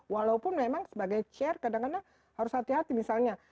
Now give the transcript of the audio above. walaupun memang sebagai share kadang kadang harus hati hati misalnya